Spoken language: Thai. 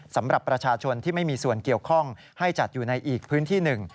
สำหรับประชาชนที่ไม่มีส่วนเกี่ยวข้องให้จัดอยู่ในอีกพื้นที่หนึ่ง